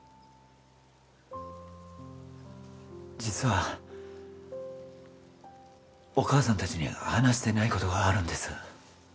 実はお母さん達に話してないことがあるんです